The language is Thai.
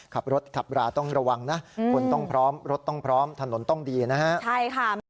ขับรถขับราต้องระวังนะคนต้องพร้อมรถต้องพร้อมถนนต้องดีนะฮะใช่ค่ะ